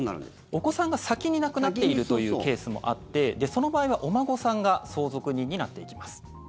お子さんが先に亡くなっているというケースもあってその場合はお孫さんが相続人になっていきます。